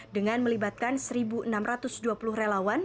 dengan melibatkan satu enam ratus dua puluh relawan